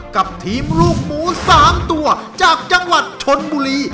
กับทีมลูกหมู๓ตัวจากจังหวัดชนบุรี